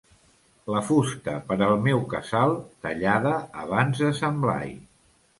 La fusta per al meu casal, tallada abans de Sant Blai.